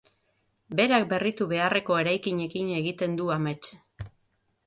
Berak berritu beharreko eraikinekin egiten du amets.